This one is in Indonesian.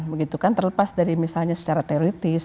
begitu kan terlepas dari misalnya secara teoritis